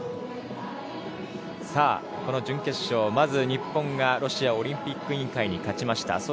準決勝、まずは日本がロシアオリンピック委員会に勝ちました。